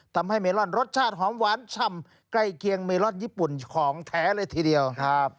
เมลอนรสชาติหอมหวานช่ำใกล้เคียงเมลอนญี่ปุ่นของแท้เลยทีเดียวครับ